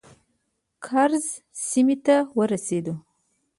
کرز سیمې ته ورسېدو.